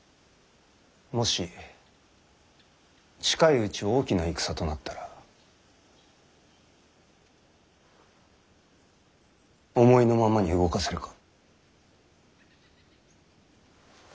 もし近いうち大きな戦となったら思いのままに動かせるか？